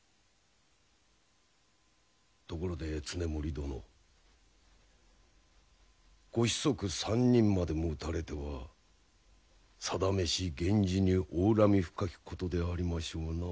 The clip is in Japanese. ところで経盛殿。ご子息３人までも討たれてはさだめし源氏にお恨み深きことでありましょうな？